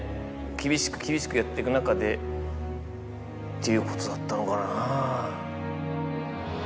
厳しく厳しくやってく中でっていうことだったのかなぁ。